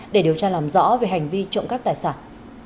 để điều tra làm rõ về hành vi trộm cắp tài sản